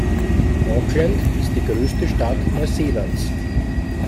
Auckland ist die größte Stadt Neuseelands.